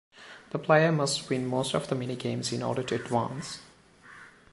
The player must win most of the minigames in order to advance.